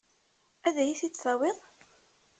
Ad iyi-t-id-tawiḍ?